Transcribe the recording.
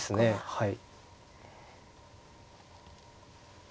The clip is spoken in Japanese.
はい。